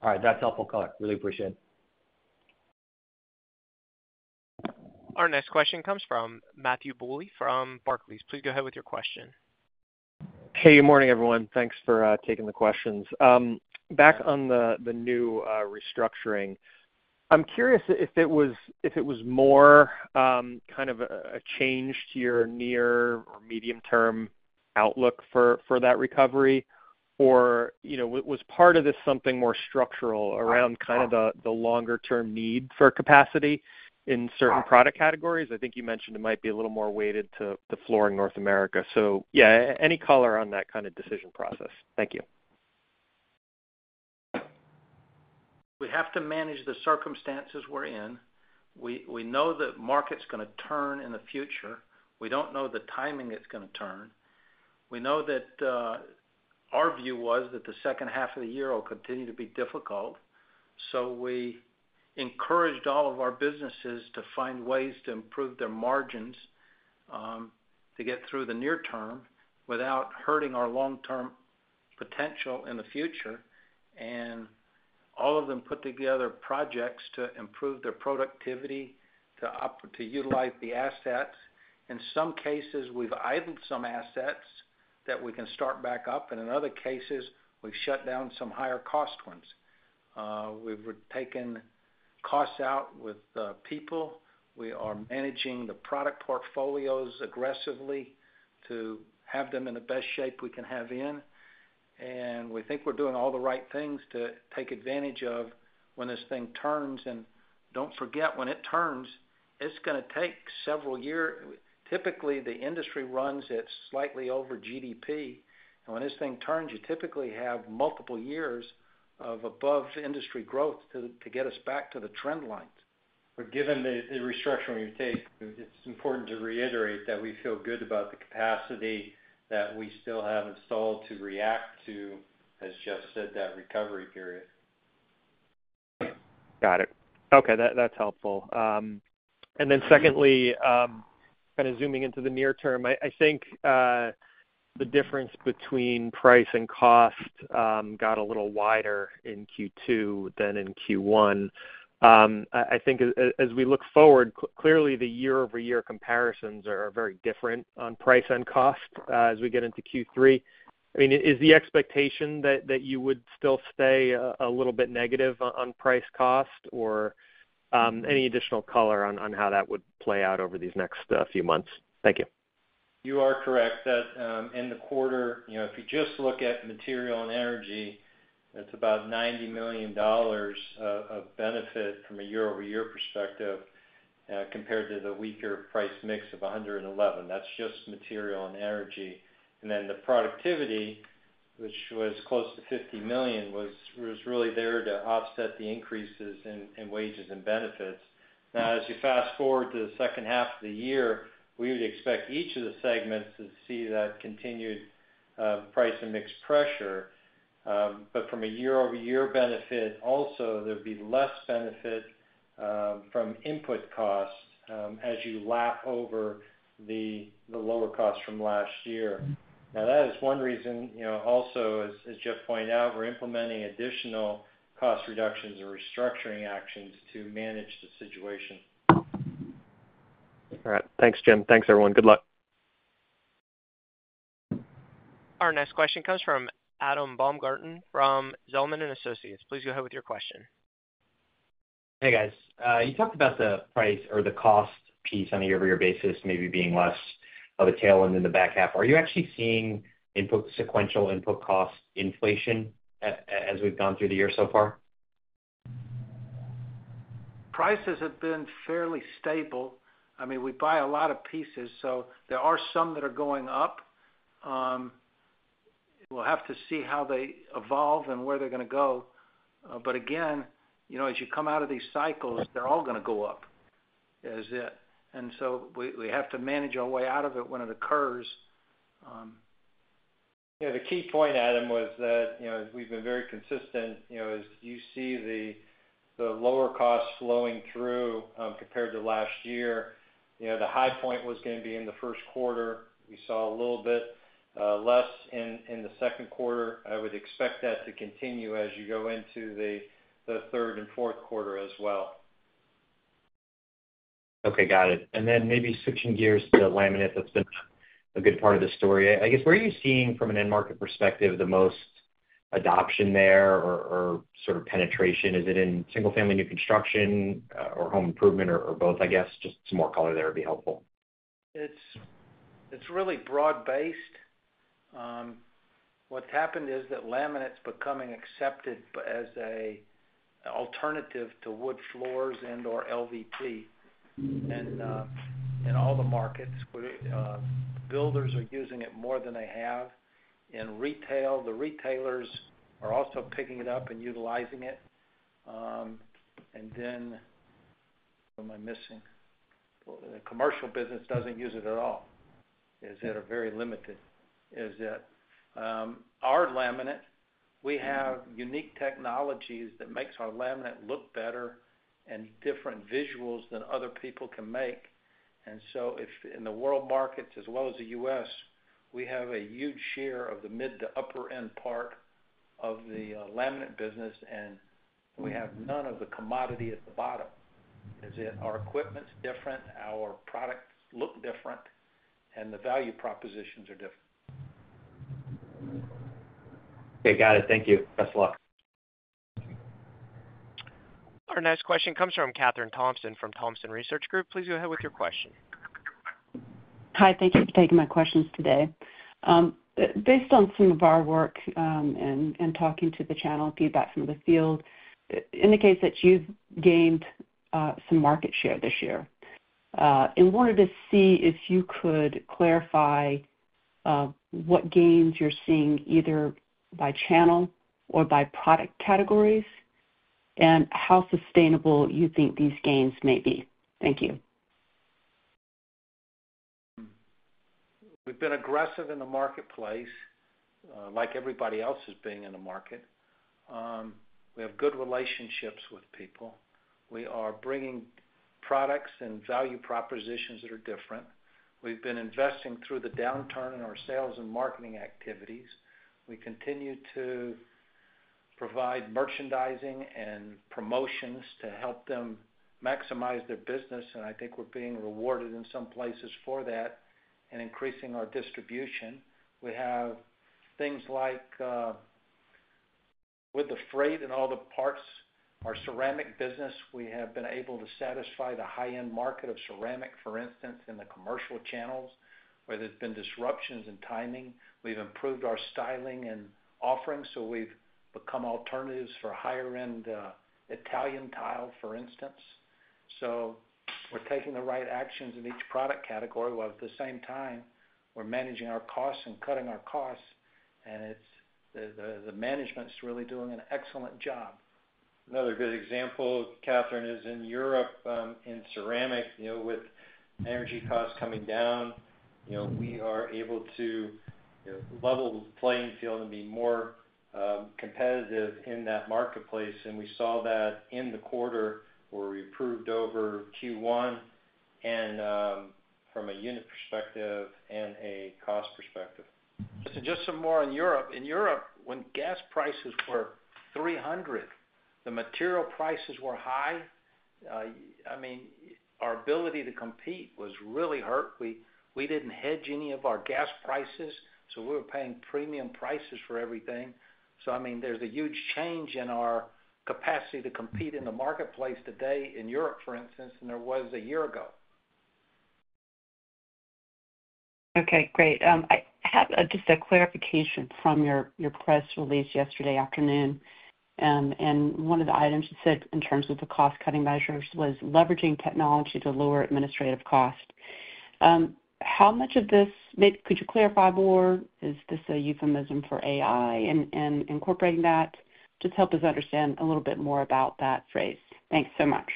All right. That's helpful. Really appreciate it. Our next question comes from Matthew Bouley from Barclays. Please go ahead with your question. Hey, good morning, everyone. Thanks for taking the questions. Back on the new restructuring, I'm curious if it was more kind of a change to your near or medium-term outlook for that recovery, or was part of this something more structural around kind of the longer-term need for capacity in certain product categories? I think you mentioned it might be a little more weighted to Flooring North America. So yeah, any color on that kind of decision process? Thank you. We have to manage the circumstances we're in. We know the market's going to turn in the future. We don't know the timing it's going to turn. We know that our view was that the second half of the year will continue to be difficult. So we encouraged all of our businesses to find ways to improve their margins to get through the near term without hurting our long-term potential in the future. And all of them put together projects to improve their productivity, to utilize the assets. In some cases, we've idled some assets that we can start back up. And in other cases, we've shut down some higher-cost ones. We've taken costs out with people. We are managing the product portfolios aggressively to have them in the best shape we can have in. We think we're doing all the right things to take advantage of when this thing turns. Don't forget, when it turns, it's going to take several years. Typically, the industry runs at slightly over GDP. When this thing turns, you typically have multiple years of above-industry growth to get us back to the trend lines. But given the restructuring we take, it's important to reiterate that we feel good about the capacity that we still have installed to react to, as Jeff said, that recovery period. Got it. Okay. That's helpful. And then secondly, kind of zooming into the near term, I think the difference between price and cost got a little wider in Q2 than in Q1. I think as we look forward, clearly, the year-over-year comparisons are very different on price and cost as we get into Q3. I mean, is the expectation that you would still stay a little bit negative on price-cost or any additional color on how that would play out over these next few months? Thank you. You are correct. In the quarter, if you just look at material and energy, that's about $90 million of benefit from a year-over-year perspective compared to the weaker price mix of $111 million. That's just material and energy. And then the productivity, which was close to $50 million, was really there to offset the increases in wages and benefits. Now, as you fast forward to the second half of the year, we would expect each of the segments to see that continued price and mix pressure. But from a year-over-year benefit, also, there would be less benefit from input costs as you lap over the lower costs from last year. Now, that is one reason also, as Jeff pointed out, we're implementing additional cost reductions and restructuring actions to manage the situation. All right. Thanks, Jim. Thanks, everyone. Good luck. Our next question comes from Adam Baumgarten from Zelman & Associates. Please go ahead with your question. Hey, guys. You talked about the price or the cost piece on a year-over-year basis maybe being less of a tailwind in the back half. Are you actually seeing sequential input cost inflation as we've gone through the year so far? Prices have been fairly stable. I mean, we buy a lot of pieces, so there are some that are going up. We'll have to see how they evolve and where they're going to go. But again, as you come out of these cycles, they're all going to go up. And so we have to manage our way out of it when it occurs. Yeah. The key point, Adam, was that we've been very consistent. As you see the lower costs flowing through compared to last year, the high point was going to be in the first quarter. We saw a little bit less in the second quarter. I would expect that to continue as you go into the third and fourth quarter as well. Okay. Got it. And then maybe switching gears to laminate, that's been a good part of the story. I guess, where are you seeing from an end market perspective the most adoption there or sort of penetration? Is it in single-family new construction or home improvement or both, I guess? Just some more color there would be helpful. It's really broad-based. What's happened is that laminate's becoming accepted as an alternative to wood floors and/or LVT in all the markets. Builders are using it more than they have. In retail, the retailers are also picking it up and utilizing it. And then what am I missing? The commercial business doesn't use it at all. Is it very limited? Is it? Our laminate, we have unique technologies that make our laminate look better and different visuals than other people can make. And so in the world markets, as well as the U.S., we have a huge share of the mid to upper-end part of the laminate business, and we have none of the commodity at the bottom. Is it our equipment's different? Our products look different, and the value propositions are different. Okay. Got it. Thank you. Best of luck. Our next question comes from Kathryn Thompson from Thompson Research Group. Please go ahead with your question. Hi. Thank you for taking my questions today. Based on some of our work and talking to the channel and feedback from the field, it indicates that you've gained some market share this year. I wanted to see if you could clarify what gains you're seeing either by channel or by product categories and how sustainable you think these gains may be? Thank you. We've been aggressive in the marketplace like everybody else is being in the market. We have good relationships with people. We are bringing products and value propositions that are different. We've been investing through the downturn in our sales and marketing activities. We continue to provide merchandising and promotions to help them maximize their business. And I think we're being rewarded in some places for that and increasing our distribution. We have things like with the freight and all the parts, our ceramic business, we have been able to satisfy the high-end market of ceramic, for instance, in the commercial channels. Whether it's been disruptions in timing, we've improved our styling and offering, so we've become alternatives for higher-end Italian tile, for instance. So we're taking the right actions in each product category. Well, at the same time, we're managing our costs and cutting our costs. The management's really doing an excellent job. Another good example, Kathryn, is in Europe in Ceramic. With energy costs coming down, we are able to level the playing field and be more competitive in that marketplace. And we saw that in the quarter where we improved over Q1 from a unit perspective and a cost perspective. Just some more on Europe. In Europe, when gas prices were 300, the material prices were high. I mean, our ability to compete was really hurt. We didn't hedge any of our gas prices, so we were paying premium prices for everything. So I mean, there's a huge change in our capacity to compete in the marketplace today in Europe, for instance, than there was a year ago. Okay. Great. Just a clarification from your press release yesterday afternoon. One of the items you said in terms of the cost-cutting measures was leveraging technology to lower administrative cost. How much of this could you clarify more? Is this a euphemism for AI? Incorporating that, just help us understand a little bit more about that phrase. Thanks so much.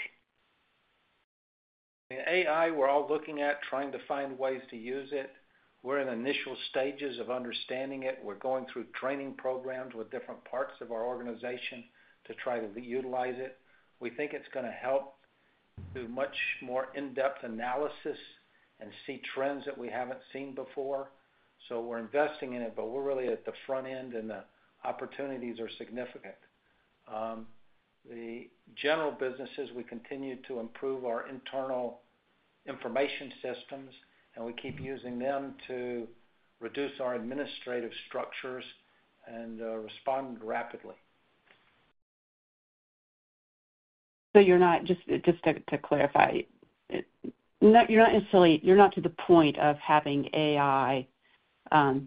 AI, we're all looking at trying to find ways to use it. We're in initial stages of understanding it. We're going through training programs with different parts of our organization to try to utilize it. We think it's going to help do much more in-depth analysis and see trends that we haven't seen before. So we're investing in it, but we're really at the front end, and the opportunities are significant. The general businesses, we continue to improve our internal information systems, and we keep using them to reduce our administrative structures and respond rapidly. Just to clarify, you're not necessarily to the point of having AI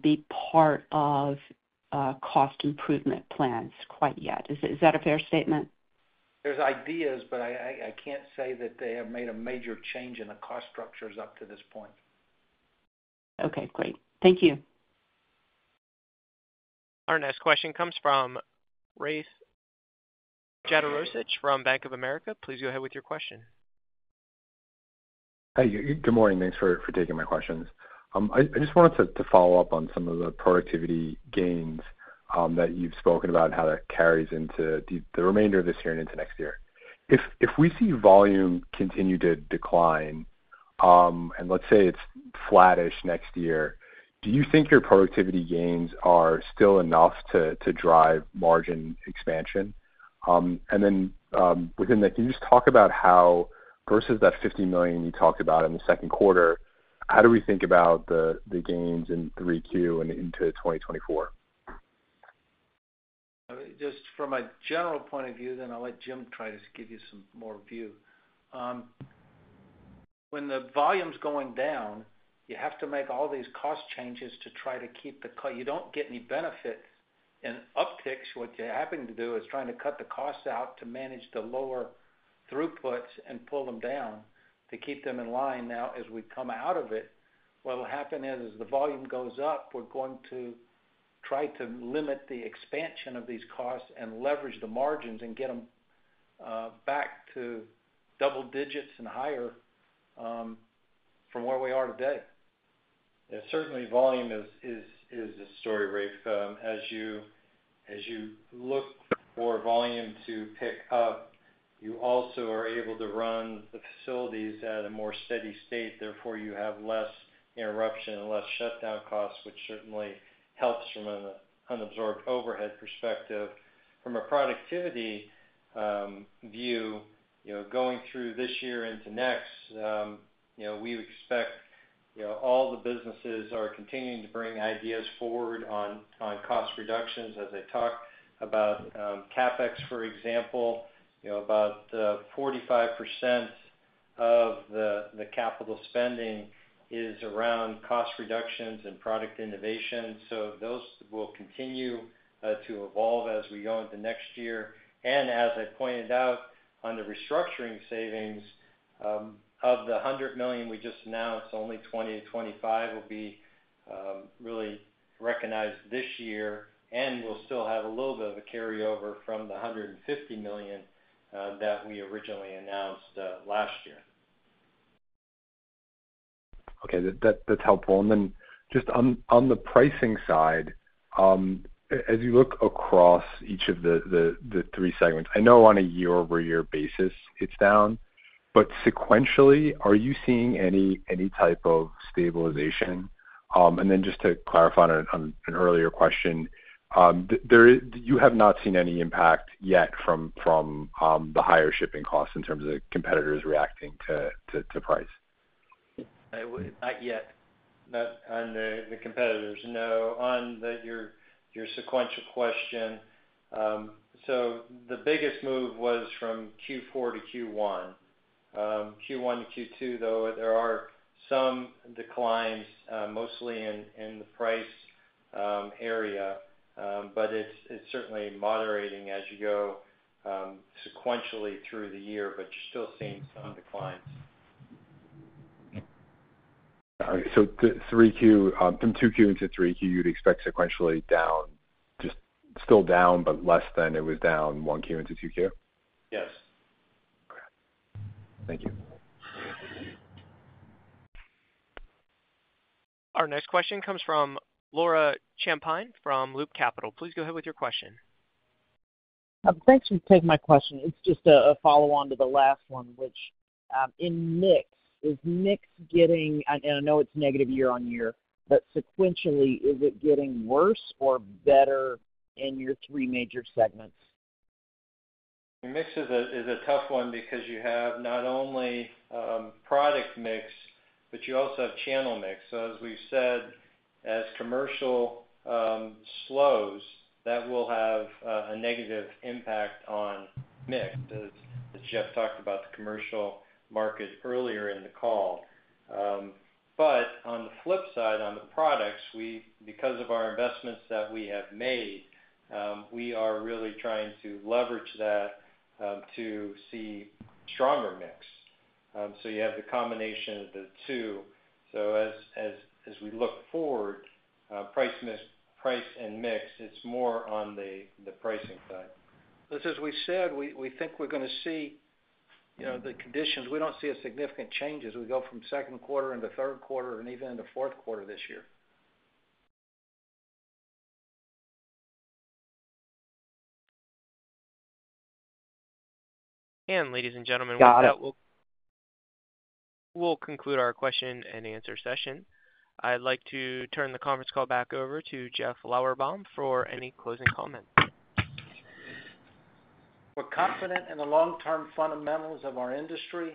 be part of cost improvement plans quite yet. Is that a fair statement? There's ideas, but I can't say that they have made a major change in the cost structures up to this point. Okay. Great. Thank you. Our next question comes from Rafe Jadrosich from Bank of America. Please go ahead with your question. Hey, good morning. Thanks for taking my questions. I just wanted to follow up on some of the productivity gains that you've spoken about and how that carries into the remainder of this year and into next year. If we see volume continue to decline, and let's say it's flattish next year, do you think your productivity gains are still enough to drive margin expansion? And then within that, can you just talk about how versus that $50 million you talked about in the second quarter, how do we think about the gains in 3Q and into 2024? Just from a general point of view, then I'll let Jim try to give you some more view. When the volume's going down, you have to make all these cost changes to try to keep the you don't get any benefits in upticks. What you're having to do is trying to cut the costs out to manage the lower throughputs and pull them down to keep them in line. Now, as we come out of it, what will happen is as the volume goes up, we're going to try to limit the expansion of these costs and leverage the margins and get them back to double digits and higher from where we are today. Yeah. Certainly, volume is a story, Rafe. As you look for volume to pick up, you also are able to run the facilities at a more steady state. Therefore, you have less interruption and less shutdown costs, which certainly helps from an unabsorbed overhead perspective. From a productivity view, going through this year into next, we expect all the businesses are continuing to bring ideas forward on cost reductions. As I talked about CapEx, for example, about 45% of the capital spending is around cost reductions and product innovation. So those will continue to evolve as we go into next year. And as I pointed out on the restructuring savings, of the $100 million we just announced, only $20 million-$25 million will be really recognized this year. And we'll still have a little bit of a carryover from the $150 million that we originally announced last year. Okay. That's helpful. And then just on the pricing side, as you look across each of the three segments, I know on a year-over-year basis, it's down. But sequentially, are you seeing any type of stabilization? And then just to clarify on an earlier question, you have not seen any impact yet from the higher shipping costs in terms of competitors reacting to price? Not yet. On the competitors, no. On your sequential question, so the biggest move was from Q4 to Q1. Q1 to Q2, though, there are some declines, mostly in the price area, but it's certainly moderating as you go sequentially through the year, but you're still seeing some declines. All right. So from 2Q into 3Q, you'd expect sequentially down, just still down, but less than it was down 1Q into 2Q? Yes. Okay. Thank you. Our next question comes from Laura Champine from Loop Capital. Please go ahead with your question. Thanks for taking my question. It's just a follow-on to the last one, which, in mix, is mix getting, and I know it's negative year-over-year, but sequentially, is it getting worse or better in your three major segments? Mix is a tough one because you have not only product mix, but you also have channel mix. So as we've said, as commercial slows, that will have a negative impact on mix. As Jeff talked about the commercial market earlier in the call. But on the flip side, on the products, because of our investments that we have made, we are really trying to leverage that to see stronger mix. So you have the combination of the two. So as we look forward, price and mix, it's more on the pricing side. As we said, we think we're going to see the conditions. We don't see a significant change as we go from second quarter into third quarter and even into fourth quarter this year. Ladies and gentlemen, with that, we'll conclude our question and answer session. I'd like to turn the conference call back over to Jeff Lorberbaum for any closing comments. We're confident in the long-term fundamentals of our industry.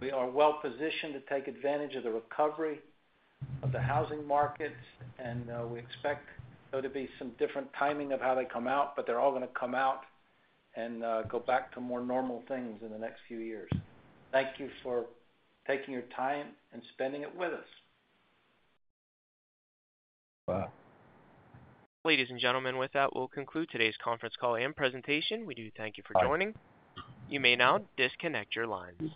We are well-positioned to take advantage of the recovery of the housing markets. We expect there to be some different timing of how they come out, but they're all going to come out and go back to more normal things in the next few years. Thank you for taking your time and spending it with us. Wow. Ladies and gentlemen, with that, we'll conclude today's conference call and presentation. We do thank you for joining. You may now disconnect your lines.